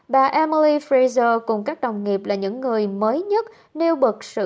bà emily fraser cùng các đồng nghiệp là những người mới nhất nêu bực sự